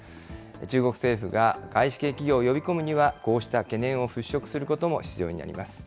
中国政府が外資系企業を呼び込むには、こうした懸念を払拭することも必要になります。